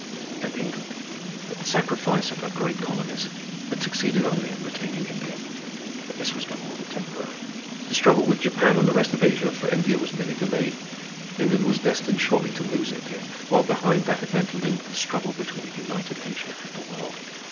And England, at the sacrifice of her great colonies, had succeeded only in retaining India. But this was no more than temporary. The struggle with Japan and the rest of Asia for India was merely delayed. England was destined shortly to lose India, while behind that event loomed the struggle between a united Asia and the world.